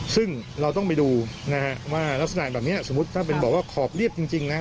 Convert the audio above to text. ซึ่งเราต้องไปดูนะฮะว่ารักษณะแบบนี้สมมุติถ้าเป็นบอกว่าขอบเรียบจริงนะ